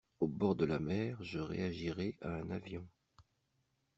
Au bord de la mer, je réagirai à un avion.